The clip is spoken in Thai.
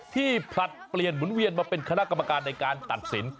ผลัดเปลี่ยนหมุนเวียนมาเป็นคณะกรรมการในการตัดสิน